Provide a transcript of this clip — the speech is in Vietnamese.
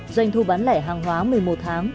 doanh thu bán lẻ hàng hóa một mươi một tháng